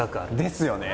ですよね。